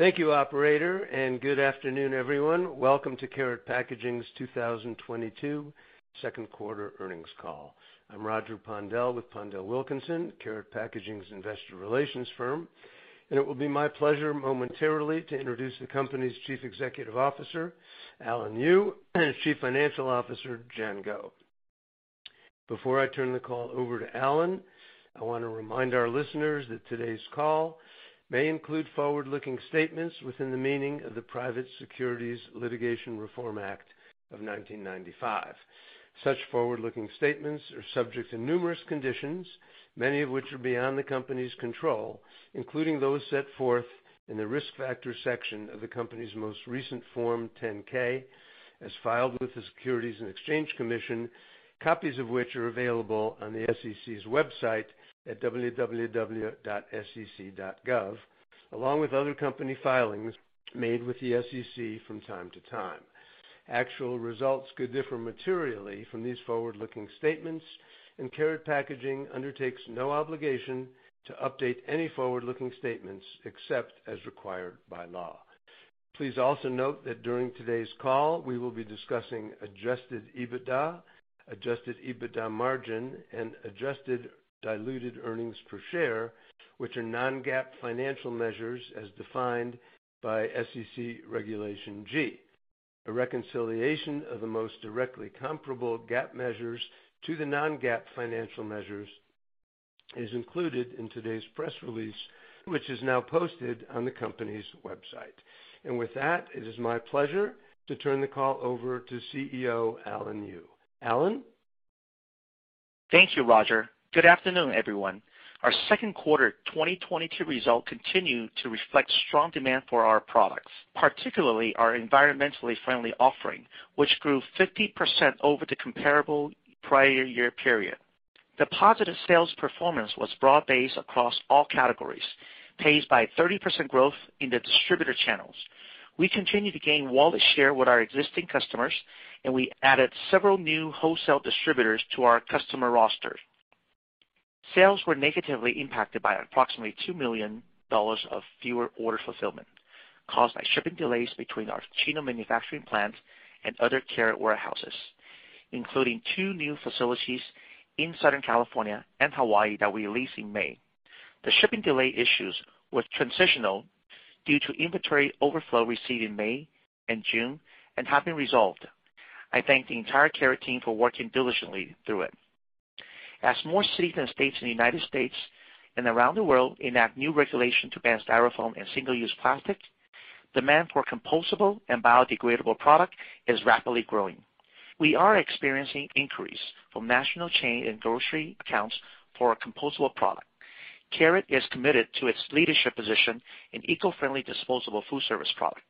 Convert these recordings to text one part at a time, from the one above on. Thank you operator, and good afternoon, everyone. Welcome to Karat Packaging's 2022 Second Quarter Earnings Call. I'm Roger Pondel with PondelWilkinson, Karat Packaging's investor relations firm, and it will be my pleasure momentarily to introduce the company's Chief Executive Officer, Alan Yu, and Chief Financial Officer, Jian Guo. Before I turn the call over to Alan, I wanna remind our listeners that today's call may include forward-looking statements within the meaning of the Private Securities Litigation Reform Act of 1995. Such forward-looking statements are subject to numerous conditions, many of which are beyond the company's control, including those set forth in the risk factor section of the company's most recent Form 10-K, as filed with the Securities and Exchange Commission, copies of which are available on the SEC's website at www.sec.gov, along with other company filings made with the SEC from time to time. Actual results could differ materially from these forward-looking statements, and Karat Packaging undertakes no obligation to update any forward-looking statements except as required by law. Please also note that during today's call, we will be discussing adjusted EBITDA, adjusted EBITDA margin, and adjusted diluted earnings per share, which are non-GAAP financial measures as defined by SEC Regulation G. A reconciliation of the most directly comparable GAAP measures to the non-GAAP financial measures is included in today's press release, which is now posted on the company's website. With that, it is my pleasure to turn the call over to CEO, Alan Yu. Alan? Thank you, Roger. Good afternoon, everyone. Our second quarter 2022 results continued to reflect strong demand for our products, particularly our environmentally friendly offerings, which grew 50% over the comparable prior year period. The positive sales performance was broad-based across all categories, paced by 30% growth in the distributor channels. We continue to gain wallet share with our existing customers, and we added several new wholesale distributors to our customer roster. Sales were negatively impacted by approximately $2 million of fewer order fulfillment caused by shipping delays between our Chino manufacturing plant and other Karat warehouses, including two new facilities in Southern California and Hawaii that we leased in May. The shipping delay issues were transitional due to inventory overflow received in May and June and have been resolved. I thank the entire Karat team for working diligently through it. As more cities and states in the United States and around the world enact new regulation to ban Styrofoam and single-use plastic, demand for compostable and biodegradable product is rapidly growing. We are experiencing inquiries from national chain and grocery accounts for our compostable product. Karat is committed to its leadership position in eco-friendly disposable food service product.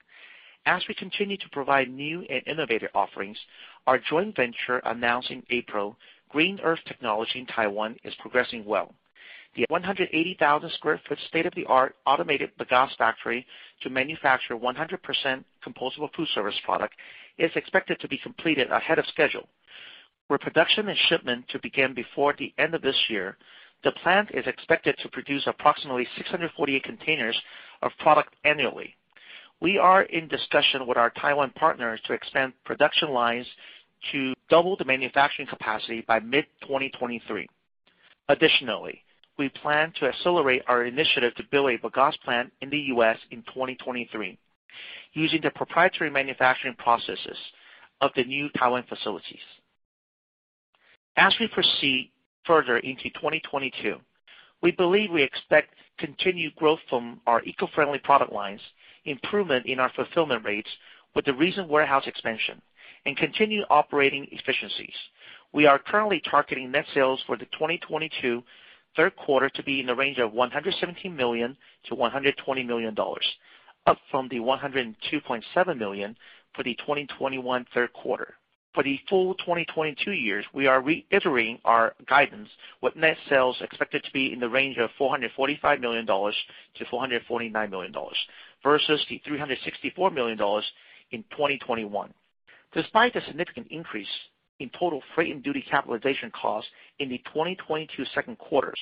As we continue to provide new and innovative offerings, our joint venture announced in April, Green Earth Technology in Taiwan, is progressing well. The 180,000 sq ft state-of-the-art automated bagasse factory to manufacture 100% compostable food service product is expected to be completed ahead of schedule, with production and shipment to begin before the end of this year. The plant is expected to produce approximately 648 containers of product annually. We are in discussion with our Taiwan partners to expand production lines to double the manufacturing capacity by mid-2023. Additionally, we plan to accelerate our initiative to build a bagasse plant in the U.S. in 2023 using the proprietary manufacturing processes of the new Taiwan facilities. As we proceed further into 2022, we believe we expect continued growth from our eco-friendly product lines, improvement in our fulfillment rates with the recent warehouse expansion, and continued operating efficiencies. We are currently targeting net sales for the 2022 third quarter to be in the range of $117 million-$120 million, up from the $102.7 million for the 2021 third quarter. For the full 2022 year, we are reiterating our guidance with net sales expected to be in the range of $445 million-$449 million versus the $364 million in 2021. Despite the significant increase in total freight and duty capitalization costs in the 2022 second quarter,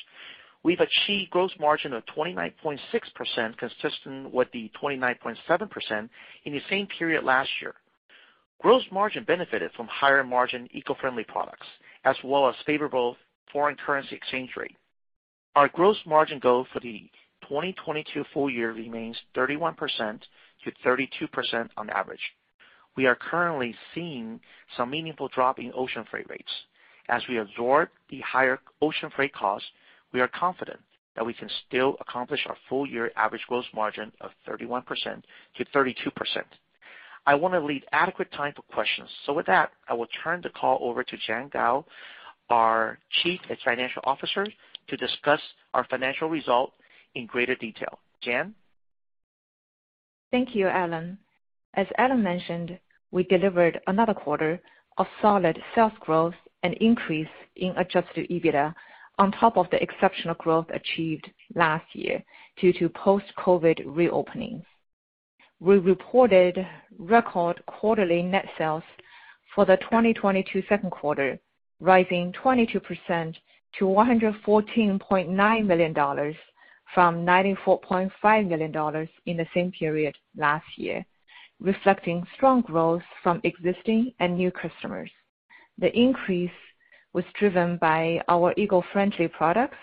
we've achieved gross margin of 29.6%, consistent with the 29.7% in the same period last year. Gross margin benefited from higher margin eco-friendly products as well as favorable foreign currency exchange rate. Our gross margin goal for the 2022 full year remains 31%-32% on average. We are currently seeing some meaningful drop in ocean freight rates. As we absorb the higher ocean freight costs, we are confident that we can still accomplish our full year average gross margin of 31%-32%. I wanna leave adequate time for questions. With that, I will turn the call over to Jian Guo, our Chief Financial Officer, to discuss our financial results in greater detail. Jian? Thank you, Alan. As Alan mentioned, we delivered another quarter of solid sales growth and increase in adjusted EBITDA on top of the exceptional growth achieved last year due to post-COVID reopenings. We reported record quarterly net sales for the 2022 second quarter, rising 22% to $114.9 million from $94.5 million in the same period last year, reflecting strong growth from existing and new customers. The increase was driven by our eco-friendly products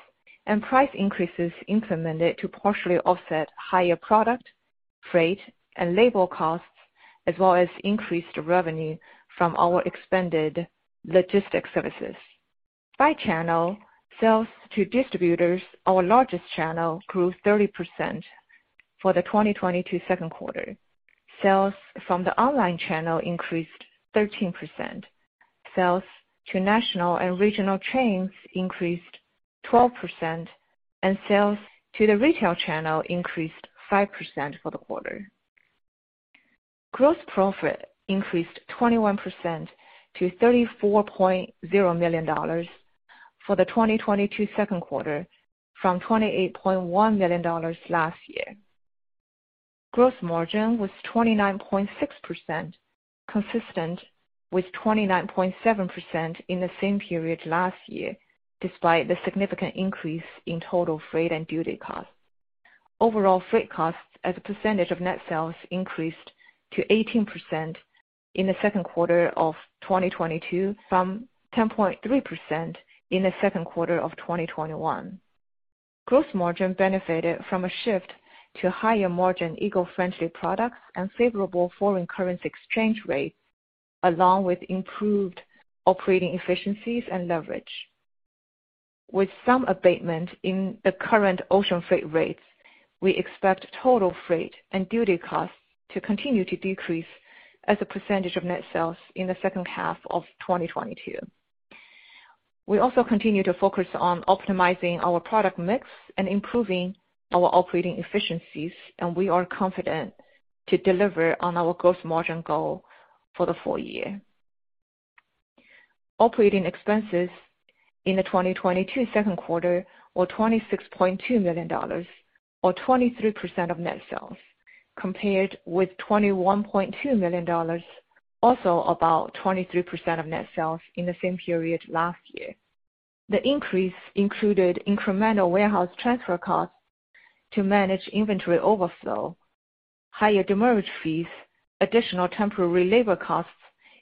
and price increases implemented to partially offset higher product, freight, and labor costs, as well as increased revenue from our expanded logistics services. By channel, sales to distributors, our largest channel, grew 30% for the 2022 second quarter. Sales from the online channel increased 13%. Sales to national and regional chains increased 12%, and sales to the retail channel increased 5% for the quarter. Gross profit increased 21% to $34.0 million for the 2022 second quarter from $28.1 million last year. Gross margin was 29.6%, consistent with 29.7% in the same period last year, despite the significant increase in total freight and duty costs. Overall freight costs as a percentage of net sales increased to 18% in the second quarter of 2022 from 10.3% in the second quarter of 2021. Gross margin benefited from a shift to higher margin eco-friendly products and favorable foreign currency exchange rates, along with improved operating efficiencies and leverage. With some abatement in the current ocean freight rates, we expect total freight and duty costs to continue to decrease as a percentage of net sales in the second half of 2022. We also continue to focus on optimizing our product mix and improving our operating efficiencies, and we are confident to deliver on our gross margin goal for the full year. Operating expenses in the 2022 second quarter were $26.2 million or 23% of net sales, compared with $21.2 million, also about 23% of net sales in the same period last year. The increase included incremental warehouse transfer costs to manage inventory overflow, higher demurrage fees, additional temporary labor costs,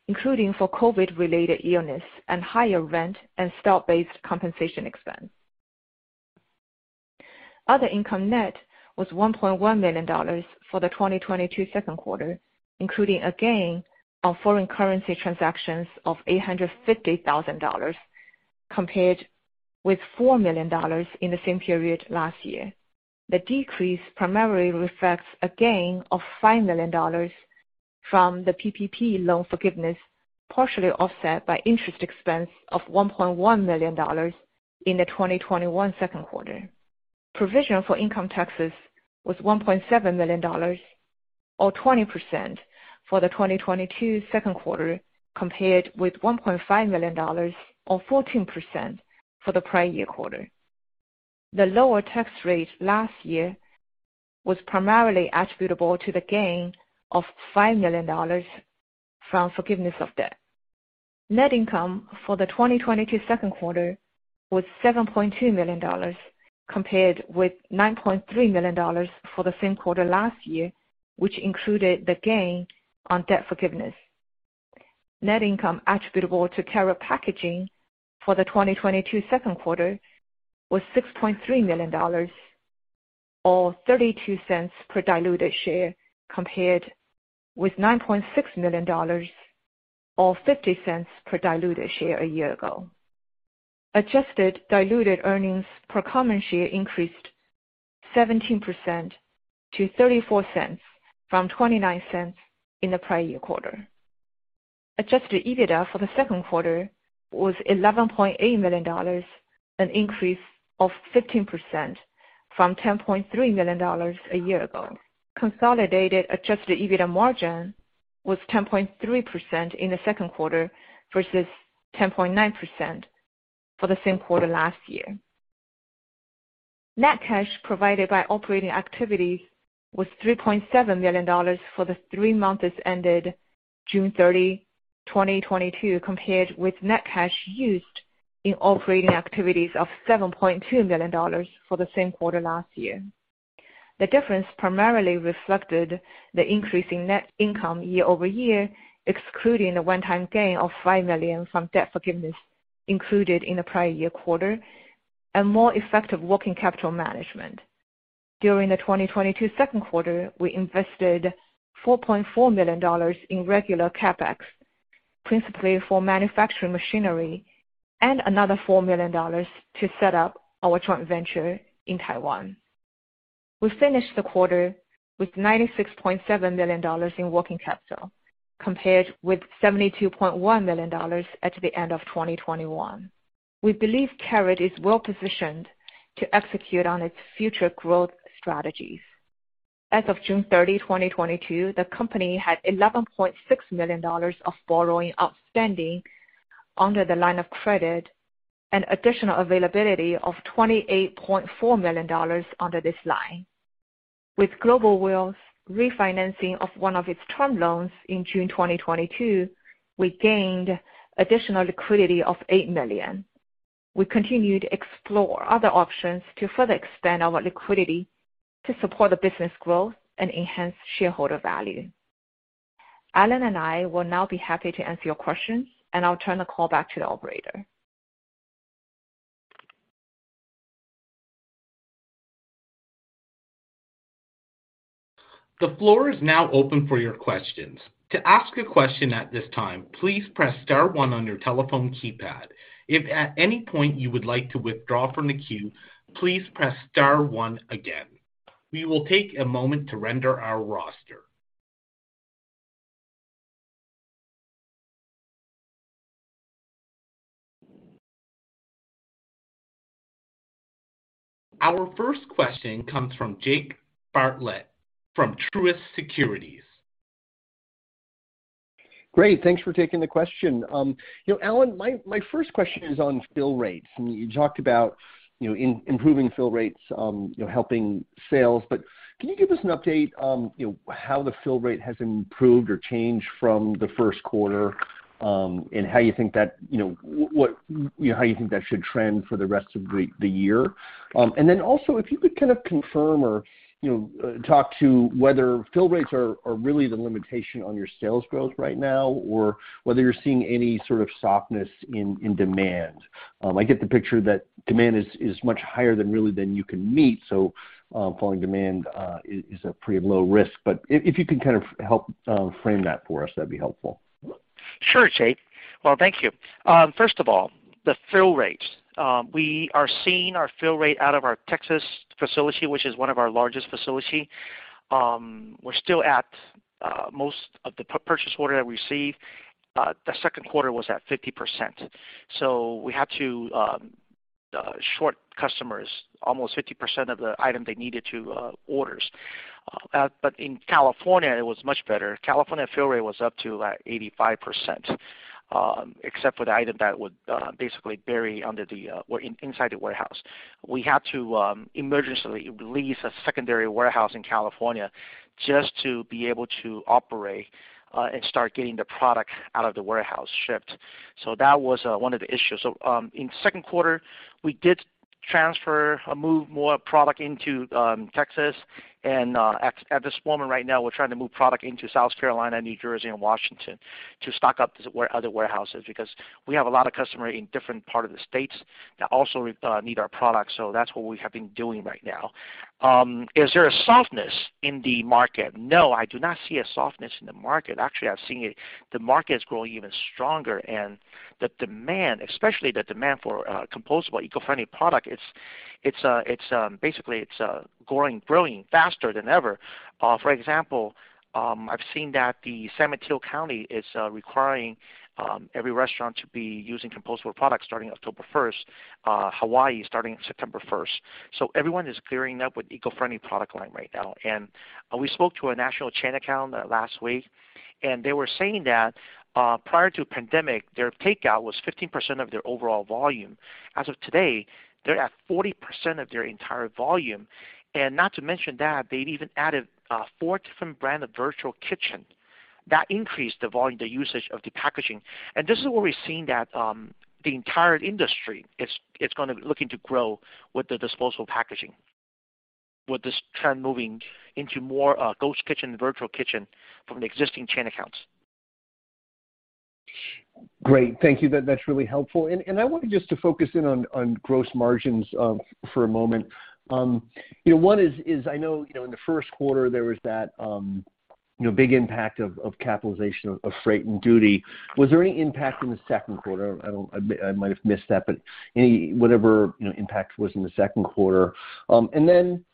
including for COVID-related illness, and higher rent and stock-based compensation expense. Other income net was $1.1 million for the 2022 second quarter, including a gain on foreign currency transactions of $850,000, compared with $4 million in the same period last year. The decrease primarily reflects a gain of $5 million from the PPP loan forgiveness, partially offset by interest expense of $1.1 million in the 2021 second quarter. Provision for income taxes was $1.7 million, or 20% for the 2022 second quarter, compared with $1.5 million or 14% for the prior year quarter. The lower tax rate last year was primarily attributable to the gain of $5 million from forgiveness of debt. Net income for the 2022 second quarter was $7.2 million, compared with $9.3 million for the same quarter last year, which included the gain on debt forgiveness. Net income attributable to Karat Packaging for the 2022 second quarter was $6.3 million, or $0.32 per diluted share, compared with $9.6 million, or $0.50 per diluted share a year ago. Adjusted diluted earnings per common share increased 17% to $0.34 from $0.29 in the prior year quarter. Adjusted EBITDA for the second quarter was $11.8 million, an increase of 15% from $10.3 million a year ago. Consolidated adjusted EBITDA margin was 10.3% in the second quarter versus 10.9% for the same quarter last year. Net cash provided by operating activities was $3.7 million for the three months that ended June 30, 2022, compared with net cash used in operating activities of $7.2 million for the same quarter last year. The difference primarily reflected the increase in net income year-over-year, excluding the one-time gain of $5 million from debt forgiveness included in the prior year quarter and more effective working capital management. During the 2022 second quarter, we invested $4.4 million in regular CapEx, principally for manufacturing machinery and another $4 million to set up our joint venture in Taiwan. We finished the quarter with $96.7 million in working capital, compared with $72.1 million at the end of 2021. We believe Karat is well positioned to execute on its future growth strategies. As of June 30, 2022, the company had $11.6 million of borrowing outstanding under the line of credit. An additional availability of $28.4 million under this line. With Global Wells refinancing of one of its term loans in June 2022, we gained additional liquidity of $8 million. We continue to explore other options to further extend our liquidity to support the business growth and enhance shareholder value. Alan and I will now be happy to answer your questions, and I'll turn the call back to the operator. The floor is now open for your questions. To ask a question at this time, please press star one on your telephone keypad. If at any point you would like to withdraw from the queue, please press star one again. We will take a moment to render our roster. Our first question comes from Jake Bartlett from Truist Securities. Great. Thanks for taking the question. You know, Alan, my first question is on fill rates. You talked about, you know, improving fill rates, you know, helping sales, but can you give us an update on, you know, how the fill rate has improved or changed from the first quarter, and how you think that, you know, how you think that should trend for the rest of the year? And then also, if you could kind of confirm or, you know, talk to whether fill rates are really the limitation on your sales growth right now or whether you're seeing any sort of softness in demand. I get the picture that demand is much higher than you can really meet. So falling demand is a pretty low risk. If you could kind of help frame that for us, that'd be helpful. Sure, Jake. Well, thank you. First of all, the fill rates. We are seeing our fill rate out of our Texas facility, which is one of our largest facility. We're still at most of the purchase order that we received. The second quarter was at 50%. We had to short customers almost 50% of the item they needed to orders. In California, it was much better. California fill rate was up to 85%, except for the item that would basically bury under the or inside the warehouse. We had to emergently lease a secondary warehouse in California just to be able to operate and start getting the product out of the warehouse shipped. That was one of the issues. In second quarter, we did transfer or move more product into Texas. At this moment right now, we're trying to move product into South Carolina, New Jersey, and Washington to stock up to where other warehouses because we have a lot of customer in different part of the states that also need our product. That's what we have been doing right now. Is there a softness in the market? No, I do not see a softness in the market. Actually, I've seen it. The market is growing even stronger, and the demand, especially the demand for compostable eco-friendly product, it's basically growing faster than ever. For example, I've seen that the San Mateo County is requiring every restaurant to be using compostable products starting October 1st, Hawaii starting September 1st. Everyone is gearing up with eco-friendly product line right now. And we spoke to a national chain account last week, and they were saying that, prior to pandemic, their takeout was 15% of their overall volume. As of today, they're at 40% of their entire volume. And not to mention that they've even added four different brand of virtual kitchen. That increased the volume, the usage of the packaging. This is where we're seeing that the entire industry is gonna be looking to grow with the disposable packaging, with this trend moving into more ghost kitchen, virtual kitchen from the existing chain accounts. Great. Thank you. That's really helpful. And I wanted just to focus in on gross margins for a moment. You know, I know, you know, in the first quarter there was that, you know, big impact of capitalization of freight and duty. Was there any impact in the second quarter? I might have missed that, but whatever, you know, impact was in the second quarter. And then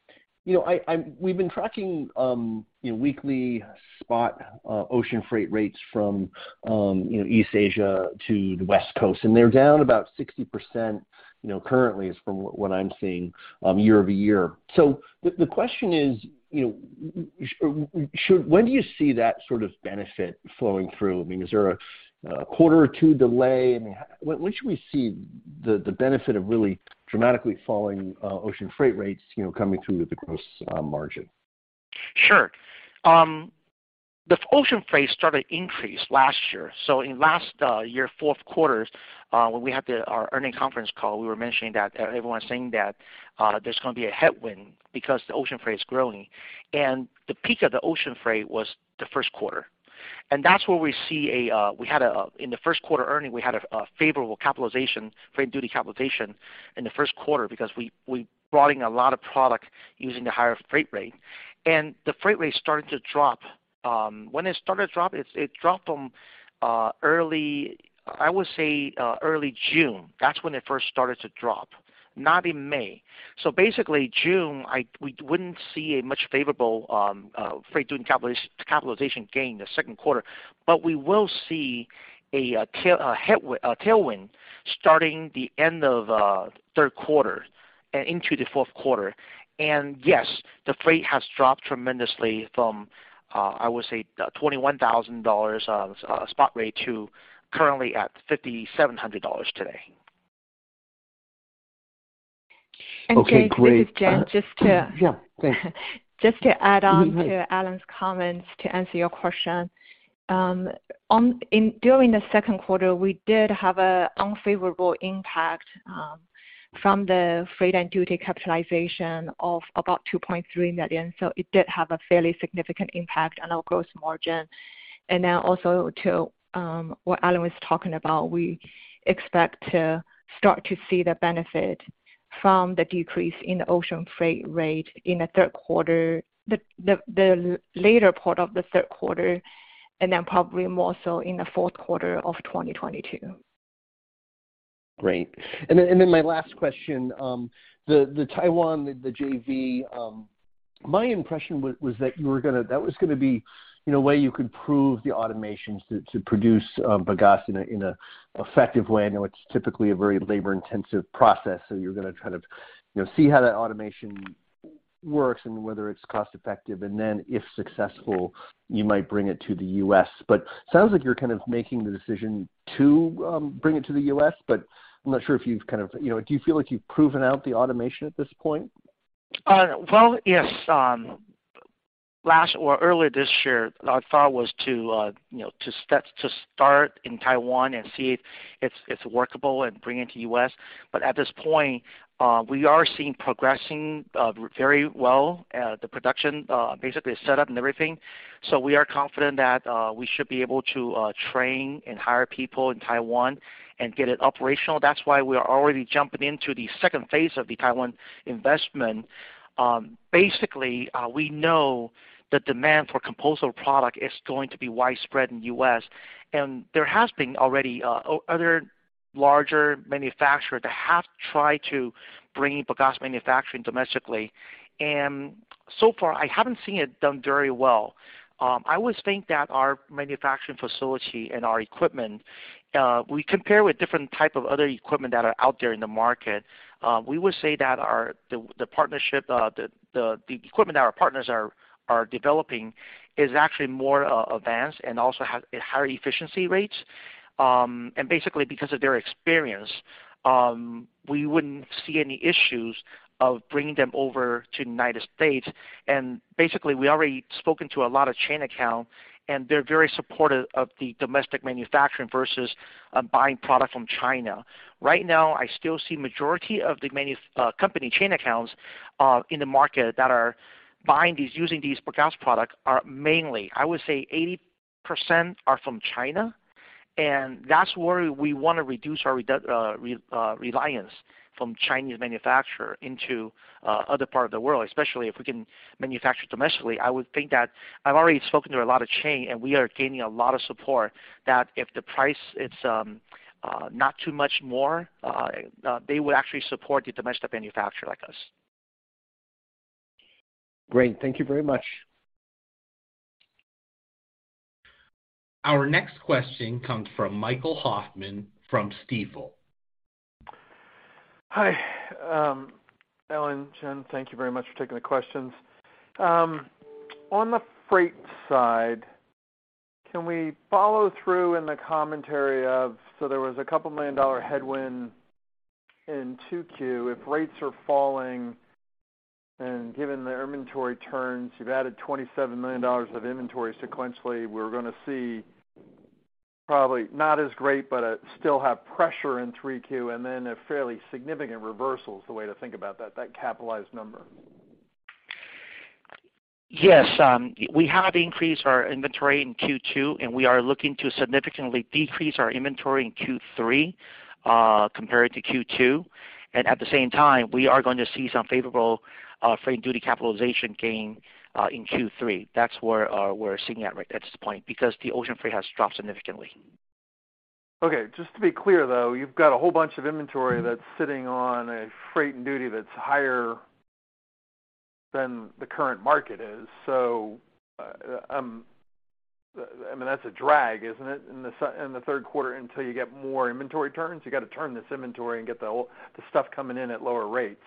we've been tracking, you know, weekly spot ocean freight rates from, you know, East Asia to the West Coast, and they're down about 60%, you know, currently from what I'm seeing, year-over-year. So the question is, you know, when do you see that sort of benefit flowing through? I mean, is there a quarter or two delay? I mean, when should we see the benefit of really dramatically falling ocean freight rates, you know, coming through with the gross margin? Sure. The ocean freight started to increase last year. So in last year's fourth quarter, when we had our earnings conference call, we were mentioning that everyone's saying that there's gonna be a headwind because the ocean freight is growing. And the peak of the ocean freight was the first quarter. That's where we had a favorable freight duty capitalization in the first quarter because we brought in a lot of product using the higher freight rate. And the freight rate started to drop. When it started to drop, it dropped in early, I would say, early June. That's when it first started to drop, not in May. So basically, in June, we wouldn't see as much favorable freight and duty capitalization gain in the second quarter, but we will see a tailwind starting at the end of third quarter and into the fourth quarter. And yes, the freight has dropped tremendously from, I would say, $21,000 spot rate to currently at $5,700 today. Jake, this is Jian Guo, just to- Yeah, thanks. Just to add on to Alan's comments to answer your question. During the second quarter, we did have an unfavorable impact from the freight and duty capitalization of about $2.3 million. It did have a fairly significant impact on our gross margin. And now also to what Alan was talking about, we expect to start to see the benefit from the decrease in the ocean freight rate in the third quarter, the later part of the third quarter, and then probably more so in the fourth quarter of 2022. Great. And then my last question, the Taiwan JV, my impression was that was gonna be, you know, a way you could prove the automation to produce bagasse in an effective way. I know it's typically a very labor-intensive process. You're gonna try to, you know, see how that automation works and whether it's cost-effective. And then if successful, you might bring it to the U.S. Sounds like you're kind of making the decision to bring it to the U.S., but I'm not sure if you know, do you feel like you've proven out the automation at this point? Well, yes. Last or early this year, our thought was to, you know, to start in Taiwan and see if it's workable and bring it to U.S. But at this point, we are seeing progressing very well the production, basically the setup and everything. So we are confident that we should be able to train and hire people in Taiwan and get it operational. That's why we are already jumping into the second phase of the Taiwan investment. Basically, we know the demand for compostable product is going to be widespread in U.S. And there has been already other larger manufacturer that have tried to bring bagasse manufacturing domestically. And so far I haven't seen it done very well. I always think that our manufacturing facility and our equipment, we compare with different type of other equipment that are out there in the market. We would say that the partnership, the equipment that our partners are developing is actually more advanced and also has a higher efficiency rates. And basically because of their experience, we wouldn't see any issues of bringing them over to United States. And basically we already spoken to a lot of chain account, and they're very supportive of the domestic manufacturing versus buying product from China. Right now, I still see majority of the company chain accounts in the market that are buying these, using these bagasse products are mainly. I would say 80% are from China. And that's where we wanna reduce our reliance from Chinese manufacturer into other part of the world, especially if we can manufacture domestically. I would think that I've already spoken to a lot of chain, and we are gaining a lot of support that if the price is not too much more, they would actually support the domestic manufacturer like us. Great. Thank you very much. Our next question comes from Michael Hoffman from Stifel. Hi. Alan, Jian, thank you very much for taking the questions. On the freight side, can we follow through in the commentary of there was a couple million dollar headwind in 2Q. If rates are falling and given the inventory turns, you've added $27 million of inventory sequentially, we're gonna see probably not as great, but still have pressure in 3Q and then a fairly significant reversal is the way to think about that capitalized number. Yes. We have increased our inventory in Q2, and we are looking to significantly decrease our inventory in Q3, compared to Q2. At the same time, we are going to see some favorable, freight duty capitalization gain, in Q3. That's where we're sitting at right at this point because the ocean freight has dropped significantly. Okay. Just to be clear, though, you've got a whole bunch of inventory that's sitting on a freight and duty that's higher than the current market is. So i mean, that's a drag, isn't it? In the third quarter until you get more inventory turns. You got to turn this inventory and get the whole, the stuff coming in at lower rates.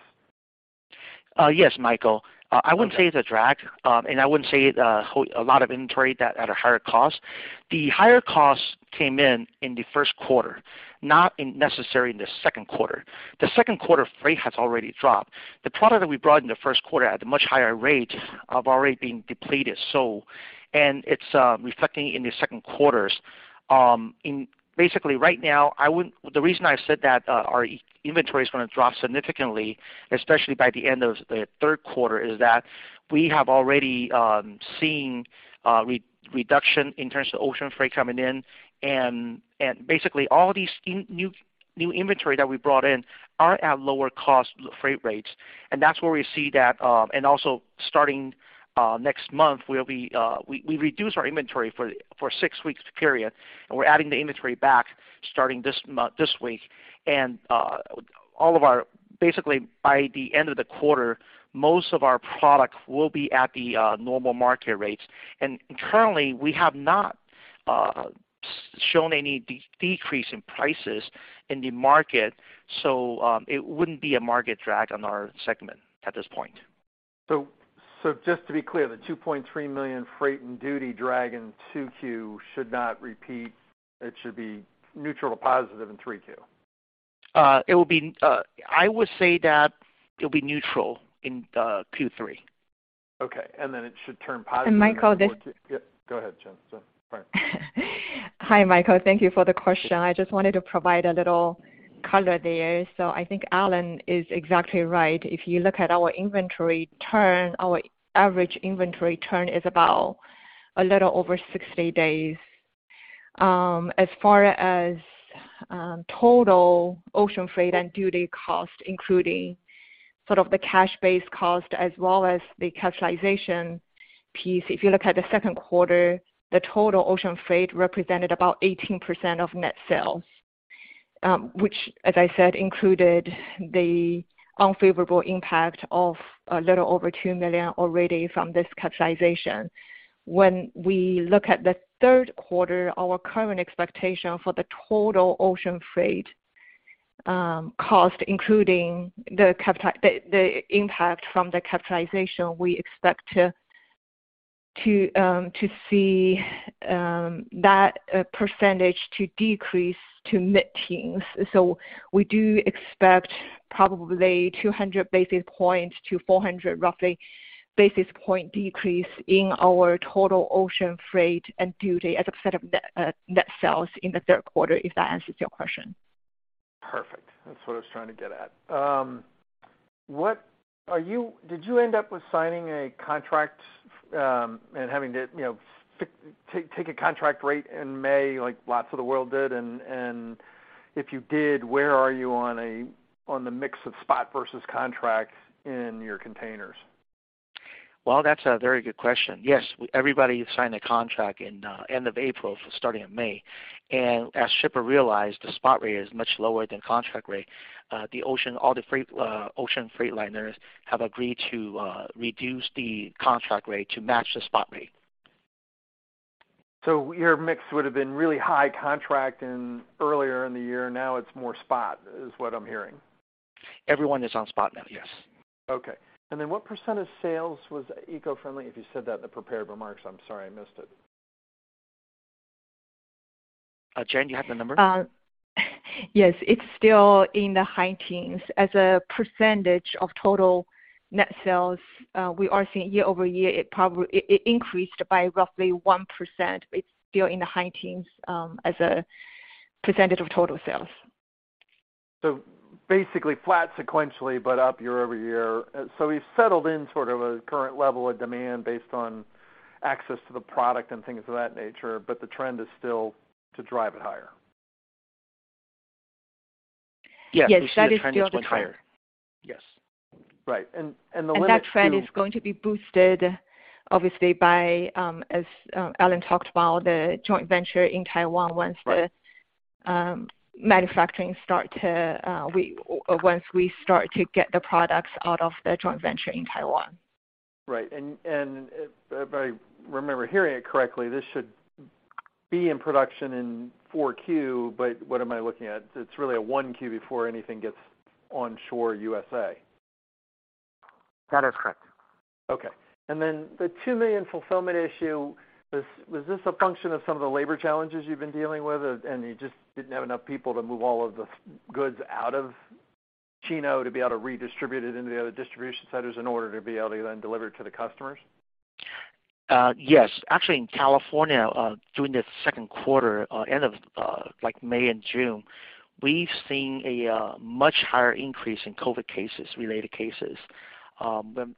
Yes, Michael. I wouldn't say it's a drag, and I wouldn't say it a lot of inventory that at a higher cost. The higher cost came in the first quarter, not necessarily in the second quarter. The second quarter freight has already dropped. The product that we brought in the first quarter at a much higher rate have already been depleted. So it's reflecting in the second quarter. In basically right now, the reason I said that our inventory is gonna drop significantly, especially by the end of the third quarter, is that we have already seen reduction in terms of ocean freight coming in. Basically all these new inventory that we brought in are at lower cost freight rates. That's where we see that. Also starting next month, we'll be we reduce our inventory for six weeks period, and we're adding the inventory back starting this week. And basically, by the end of the quarter, most of our product will be at the normal market rates. And currently, we have not shown any decrease in prices in the market. So it wouldn't be a market drag on our segment at this point. Just to be clear, the $2.3 million freight and duty drag in 2Q should not repeat. It should be neutral to positive in 3Q. I would say that it'll be neutral in Q3. Okay. It should turn positive. Michael, this. Yeah. Go ahead, Jian. Sorry. Hi, Michael. Thank you for the question. I just wanted to provide a little color there. I think Alan is exactly right. If you look at our inventory turn, our average inventory turn is about a little over 60 days. As far as total ocean freight and duty costs, including sort of the cash base cost as well as the capitalization piece, if you look at the second quarter, the total ocean freight represented about 18% of net sales, which as I said, included the unfavorable impact of a little over $2 million already from this capitalization. When we look at the third quarter, our current expectation for the total ocean freight cost, including the impact from the capitalization, we expect to see that percentage to decrease to mid-teens. So we do expect probably 200 basis points to 400, roughly, basis point decrease in our total ocean freight and duty as a percent of net sales in the third quarter, if that answers your question. Perfect. That's what I was trying to get at. Did you end up with signing a contract and having to, you know, take a contract rate in May like lots of the world did? If you did, where are you on the mix of spot versus contract in your containers? Well, that's a very good question. Yes, everybody signed a contract in end of April starting in May. And as shippers realized, the spot rate is much lower than contract rate. The ocean, all the freight, ocean freight liners have agreed to reduce the contract rate to match the spot rate. So your mix would've been really high in contract earlier in the year. Now it's more spot, is what I'm hearing. Everyone is on spot now, yes. Okay. What % of sales was eco-friendly? If you said that in the prepared remarks, I'm sorry I missed it. Jian Guo, do you have the number? Yes, it's still in the high teens as a percentage of total net sales. We are seeing year-over-year, it increased by roughly 1%. It's still in the high teens as a percentage of total sales. Basically flat sequentially, but up year over year. You've settled in sort of a current level of demand based on access to the product and things of that nature, but the trend is still to drive it higher. Yes. Yes, that is still the trend. The trend is going higher. Yes. Right. The limit. That trend is going to be boosted obviously by, as Alan talked about, the joint venture in Taiwan once the manufacturing started, we start to get the products out of the joint venture in Taiwan. Right. And if I remember hearing it correctly, this should be in production in Q4, but what am I looking at? It's really a 1Q before anything gets onshore USA. That is correct. Okay. The $2 million fulfillment issue, was this a function of some of the labor challenges you've been dealing with and you just didn't have enough people to move all of the goods out of Chino to be able to redistribute it into the other distribution centers in order to be able to then deliver to the customers? Yes. Actually, in California, during the second quarter, end of, like May and June, we've seen a much higher increase in COVID cases, related cases.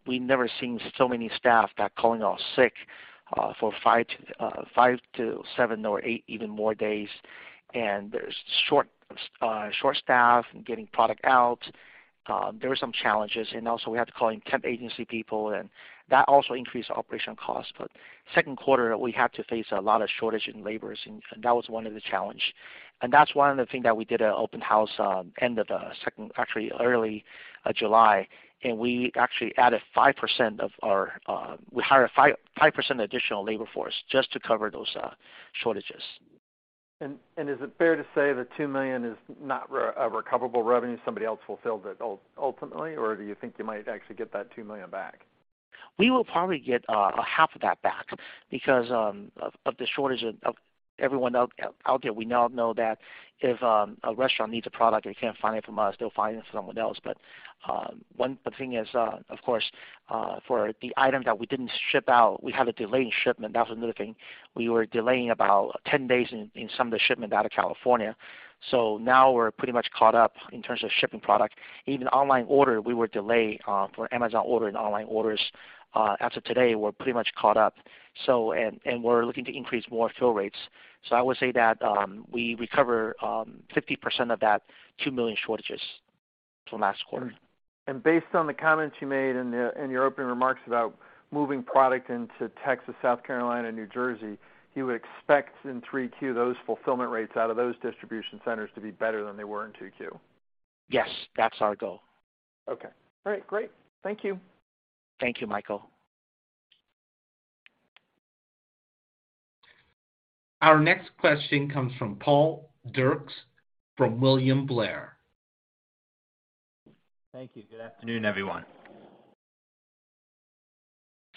We never seen so many staff got calling off sick, for five to seven or eight even more days. There's short staff in getting product out. There were some challenges. Also we had to call in temp agency people, and that also increased operational costs. Second quarter, we had to face a lot of shortage in labors, and that was one of the challenge. That's one of the thing that we did at open house, end of the second. Actually, early July, and we actually added 5% of our. We hired 5% additional labor force just to cover those shortages. And is it fair to say the $2 million is not a recoverable revenue? Somebody else fulfilled it ultimately, or do you think you might actually get that $2 million back? We will probably get half of that back because of the shortage of everyone out there. We now know that if a restaurant needs a product and they can't find it from us, they'll find it from someone else. But the thing is, of course, for the item that we didn't ship out, we have a delay in shipment. That was another thing. We were delaying about 10 days in some of the shipment out of California. So now we're pretty much caught up in terms of shipping product. Even online order, we were delayed for Amazon order and online orders. As of today, we're pretty much caught up. So we're looking to increase more fill rates.I would say that we recover 50% of that 2 million shortages from last quarter. And based on the comments you made in your opening remarks about moving product into Texas, South Carolina, and New Jersey, you would expect in 3Q those fulfillment rates out of those distribution centers to be better than they were in 2Q. Yes, that's our goal. Okay. All right. Great. Thank you. Thank you, Michael. Our next question comes from Ryan Merkel from William Blair. Thank you. Good afternoon, everyone.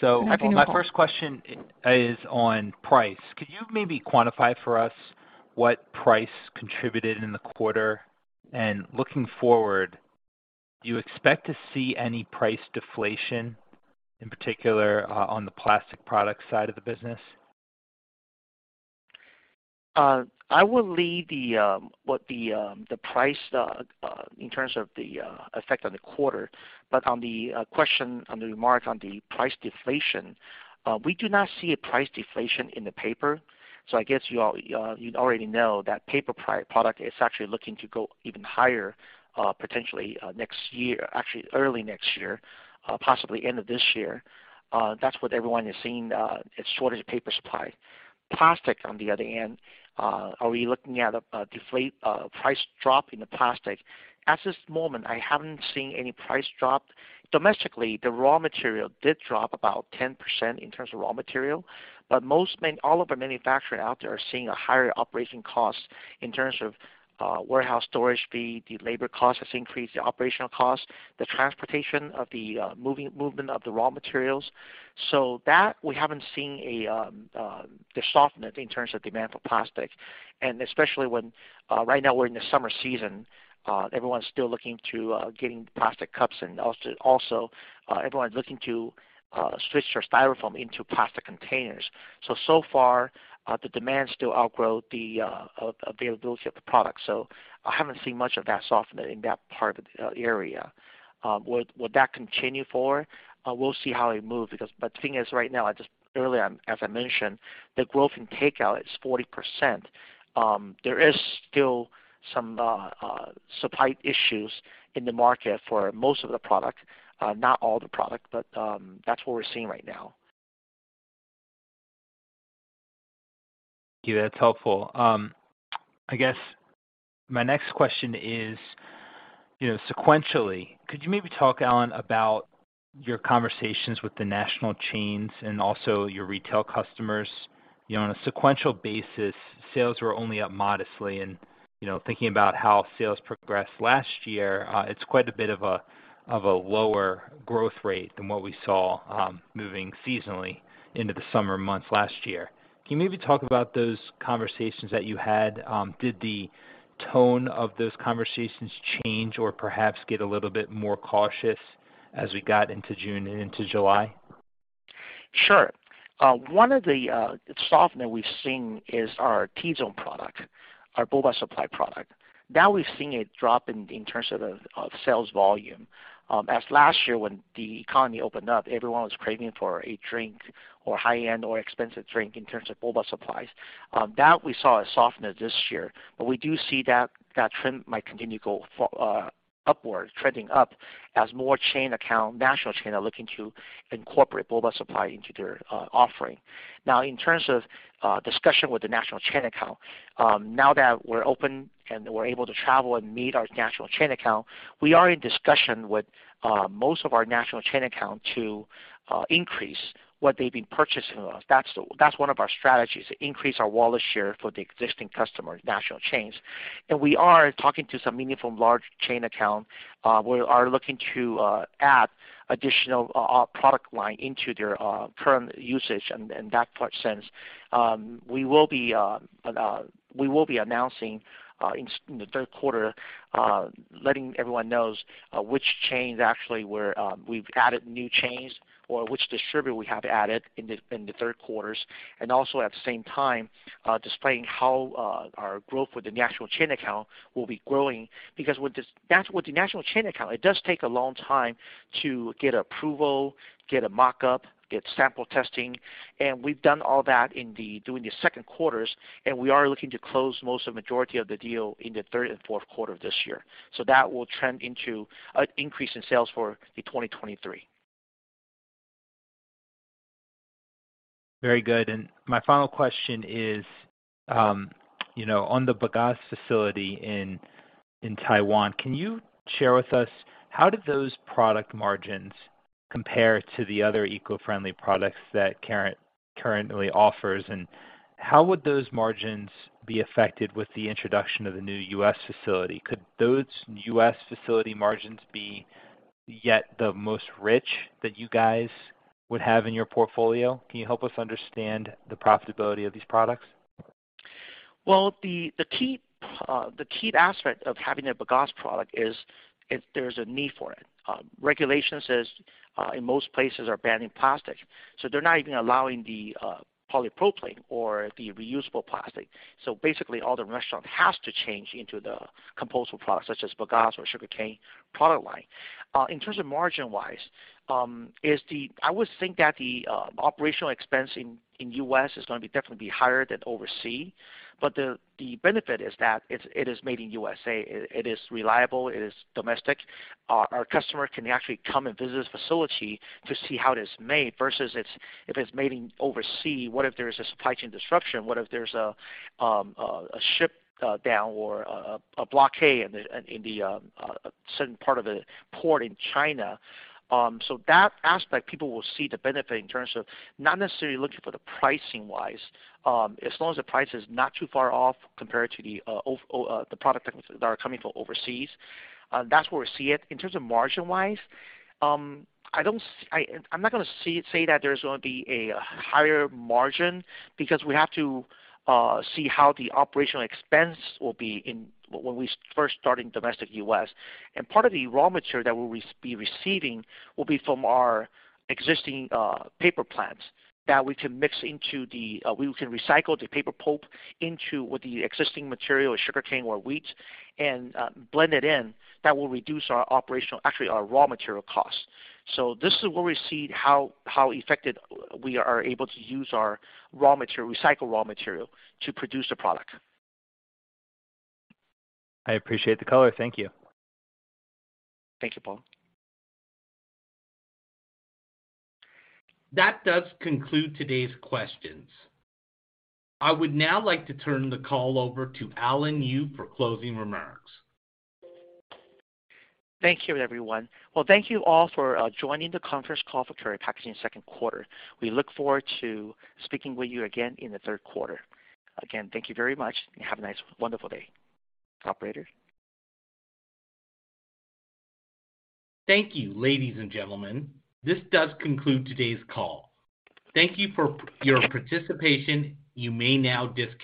Your line is open. I think my first question is on price. Could you maybe quantify for us what price contributed in the quarter? Looking forward, do you expect to see any price deflation, in particular, on the plastic product side of the business? I will leave the price in terms of the effect on the quarter. But on the question on the remark on the price deflation, we do not see a price deflation in the paper. So I guess you already know that paper product is actually looking to go even higher, potentially, next year, actually early next year, possibly end of this year. That's what everyone is seeing, a shortage of paper supply. Plastic on the other end, are we looking at a price drop in the plastic? At this moment, I haven't seen any price drop. Domestically, the raw material did drop about 10% in terms of raw material, but all of our manufacturers out there are seeing a higher operating cost in terms of warehouse storage fee, the labor cost has increased, the operational cost, the transportation of the movement of the raw materials. So that we haven't seen the softness in terms of demand for plastic. Especially when right now we're in the summer season, everyone's still looking to getting plastic cups and also everyone's looking to switch their Styrofoam into plastic containers. So far, the demand still outgrow the availability of the product. So I haven't seen much of that soften in that part of the area. Will that continue forward? We'll see how it moves because the thing is right now. Earlier, as I mentioned, the growth in takeout is 40%. There is still some supply issues in the market for most of the product, not all the product, but that's what we're seeing right now. Yeah, that's helpful. I guess my next question is, you know, sequentially, could you maybe talk, Alan, about your conversations with the national chains and also your retail customers? You know, on a sequential basis, sales were only up modestly and, you know, thinking about how sales progressed last year, it's quite a bit of a lower growth rate than what we saw, moving seasonally into the summer months last year. Can you maybe talk about those conversations that you had? Did the tone of those conversations change or perhaps get a little bit more cautious as we got into June and into July? Sure. One of the softness that we've seen is our Tea Zone product, our boba supply product. That we've seen a drop in terms of sales volume. As last year when the economy opened up, everyone was craving for a drink or high-end or expensive drink in terms of boba supplies. That we saw a softness this year, but we do see that trend might continue to go for upward, trending up as more chain account, national chain are looking to incorporate boba supply into their offering. Now in terms of discussion with the national chain account, now that we're open and we're able to travel and meet our national chain account, we are in discussion with most of our national chain account to increase what they've been purchasing with us. That's one of our strategies, increase our wallet share for the existing customers, national chains. And we are talking to some meaningful large chain account, we are looking to add additional product line into their current usage in that sense. We will be announcing in the third quarter, letting everyone knows which chains actually we've added new chains or which distributor we have added in the third quarter, and also at the same time displaying how our growth with the national chain account will be growing. With the national chain account, it does take a long time to get approval, get a mock-up, get sample testing, and we've done all that during the second quarters, and we are looking to close most of majority of the deal in the third and fourth quarter of this year. So that will trend into an increase in sales for 2023. Very good. My final question is, you know, on the bagasse facility in Taiwan, can you share with us how did those product margins compare to the other eco-friendly products that currently offers? How would those margins be affected with the introduction of the new U.S. facility? Could those U.S. facility margins be yet the most rich that you guys would have in your portfolio? Can you help us understand the profitability of these products? Well the key aspect of having a bagasse product is if there's a need for it. Regulations say in most places are banning plastic, so they're not even allowing the polypropylene or the reusable plastic. So basically, all the restaurants have to change into the compostable products such as bagasse or sugarcane product line. In terms of margin-wise, I would think that the operational expense in U.S. is gonna be definitely higher than oversea. But the benefit is that it is made in USA. It is reliable, it is domestic. Our customer can actually come and visit this facility to see how it is made versus it, if it's made overseas, what if there's a supply chain disruption? What if there's a ship down or a blockade in the certain part of the port in China? That aspect, people will see the benefit in terms of not necessarily looking for the pricing-wise, as long as the price is not too far off compared to the product that are coming from overseas. That's where we see it. In terms of margin-wise, I'm not gonna say that there's gonna be a higher margin because we have to see how the operational expense will be in when we first start in domestic U.S. And part of the raw material that we'll be receiving will be from our existing paper plants that we can recycle the paper pulp into with the existing material, sugarcane or wheat, and blend it in. That will reduce our operational, actually our raw material costs. This is where we see how effective we are able to use our raw material, recycled raw material to produce a product. I appreciate the color. Thank you. Thank you. That does conclude today's questions. I would now like to turn the call over to Alan Yu for closing remarks. Thank you, everyone. Well, thank you all for joining the conference call for Karat Packaging second quarter. We look forward to speaking with you again in the third quarter. Again, thank you very much, and have a nice wonderful day. Operator. Thank you, ladies and gentlemen. This does conclude today's call. Thank you for your participation. You may now disconnect.